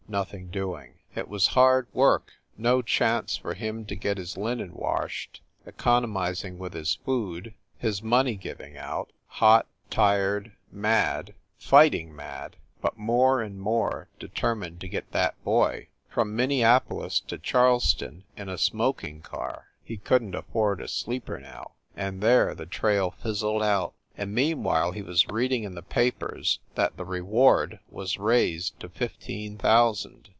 Nothing doing. It was hard work. No chance for him to get his linen washed, economizing with his food, his money giving out, hot, tired, mad fighting mad but more and more determined to get that boy. From Minneapolis to Charleston, in a smoking car he couldn t afford a sleeper now and there the trail fizzled out. And meanwhile he was reading in the papers that the reward was raised to fifteen thousand.